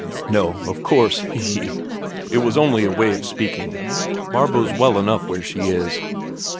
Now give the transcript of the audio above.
"No, of course, he he! It was only a way of speaking. Barbro's well enough where she is.